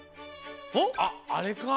あっあれか。